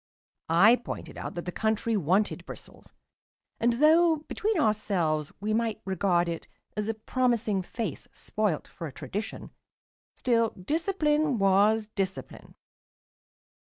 I pointed out that the country wanted bristles; and though, between ourselves, we might regard it as a promising face spoilt for a tradition, still discipline was discipline.